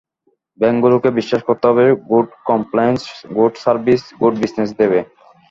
ব্যাংকগুলোকে বিশ্বাস করতে হবে good compliance, good service good business দেবে।